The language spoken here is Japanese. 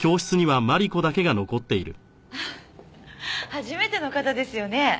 初めての方ですよね？